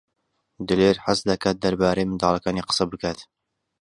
دلێر حەز دەکات دەربارەی منداڵەکانی قسە بکات.